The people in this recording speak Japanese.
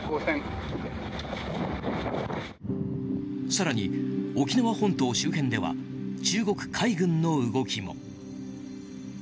更に沖縄本島周辺では中国海軍の動きも。